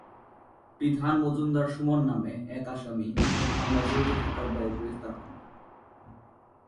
বিধান মজুমদার সুমন নামে এক আসামী এ হামলায় জড়িত থাকার দায়ে গ্রেফতার হন।